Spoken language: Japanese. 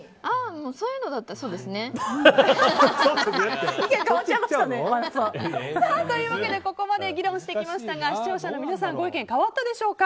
そういうのだったらそうですね。というわけでここまで議論してきましたが視聴者の皆さんのご意見変わったでしょうか。